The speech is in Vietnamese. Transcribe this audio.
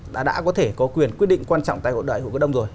đã có thể có quyền quyết định quan trọng tại đại hội cổ đông rồi